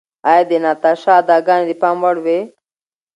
ایا د ناتاشا اداګانې د پام وړ وې؟